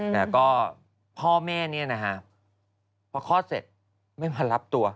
แต่ก็พ่อแม่พอคลอดเสร็จไม่มารับตัว